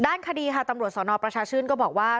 คดีค่ะตำรวจสนประชาชื่นก็บอกว่า